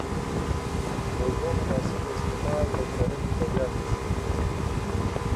د اوبو مناسب استعمال د کرنې بریا تضمینوي.